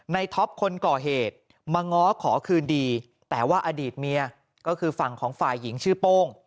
ท็อปคนก่อเหตุมาง้อขอคืนดีแต่ว่าอดีตเมียก็คือฝั่งของฝ่ายหญิงชื่อโป้ง